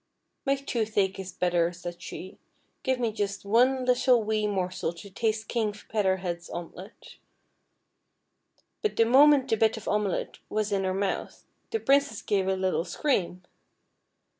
"My toothache is better," said she, "give me just one little wee morsel to taste King Feather Head's omelet." But the moment the bit of omelet was in her mouth, the Princess gave a little scream.